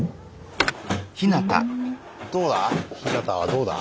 どうだ？